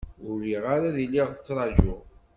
Ur riɣ ara ad iliɣ trajuɣ.